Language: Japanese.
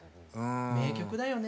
名曲だよね。